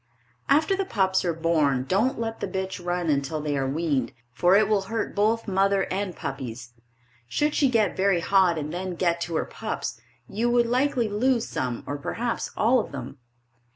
After the pups are born, don't let the bitch run until they are weaned, for it will hurt both mother and puppies. Should she get very hot and then get to her pups you would likely lose some or perhaps all of them.